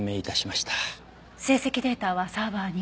成績データはサーバーに？